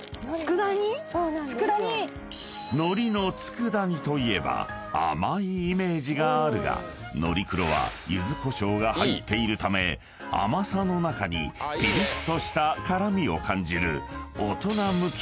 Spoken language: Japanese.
［海苔の佃煮といえば甘いイメージがあるがのりクロは柚子胡椒が入っているため甘さの中にぴりっとした辛みを感じる］